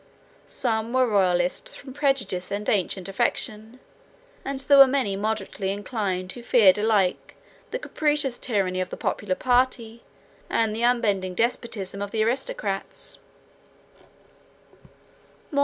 Some were royalists from prejudice and ancient affection, and there were many moderately inclined who feared alike the capricious tyranny of the popular party, and the unbending despotism of the aristocrats.